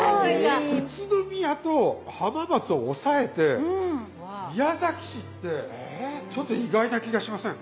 宇都宮と浜松を抑えて宮崎市ってちょっと意外な気がしません？